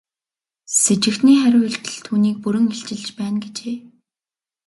Сэжигтний хариу үйлдэл түүнийг бүрэн илчилж байна гэжээ.